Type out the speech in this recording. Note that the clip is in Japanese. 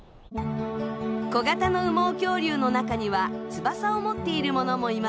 小型の羽毛恐竜の中には翼を持っているものもいました。